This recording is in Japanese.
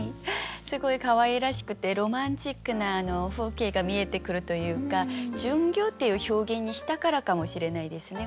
すごいかわいらしくてロマンチックな風景が見えてくるというか「巡業」っていう表現にしたからかもしれないですね。